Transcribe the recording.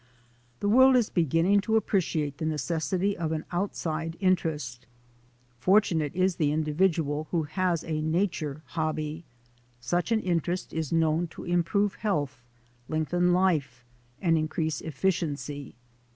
The world is beginning to appreciate the ne cessity of an outside interest. Fortunate is the individual who has a nature hobby. Such an interest is known to improve health, lengthen life, and increase efficiency.